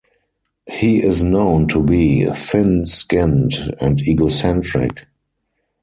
He is known to be thin-skinned and egocentric.